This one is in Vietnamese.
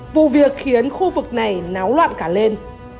vụ việc khiến khu vực này náo loạn cả lên